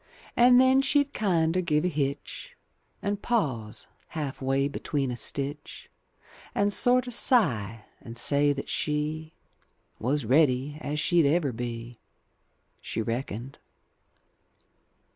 And then she'd kinder give a hitch, And pause half way between a stitch. And sorter sigh, and say that she Was ready as she'd ever be. She reckoned.